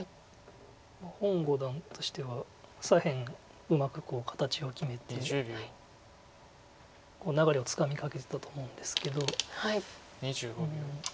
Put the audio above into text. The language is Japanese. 洪五段としては左辺うまく形を決めて流れをつかみかけてたと思うんですけど。